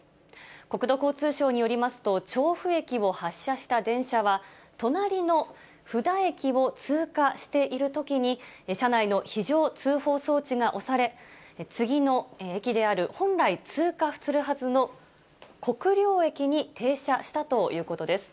国土交通省によりますと、調布駅を発車した電車は、隣の布田駅を通過しているときに、車内の非常通報装置が押され、次の駅である、本来、通過するはずの国領駅に停車したということです。